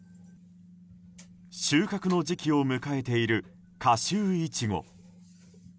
収穫の時期を迎えている夏秋イチゴ。